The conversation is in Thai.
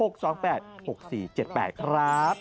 ๐๒๖๒๘๖๔๗๘ครับ